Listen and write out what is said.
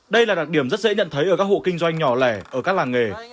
đây là đặc điểm rất dễ nhận thấy ở các hộ kinh doanh nhỏ lẻ ở các làng nghề